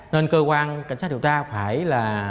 nên cơ quan cảnh sát điều tra phải là